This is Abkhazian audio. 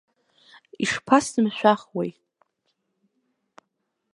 Ишԥасымшәахуеи?